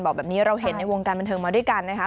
บอกแบบนี้เราเห็นในวงการบันเทิงมาด้วยกันนะคะ